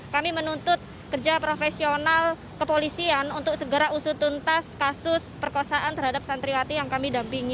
kami menuntut kerja profesional kepolisian untuk segera usutuntas kasus perkosaan terhadap santriwati yang kami dampingi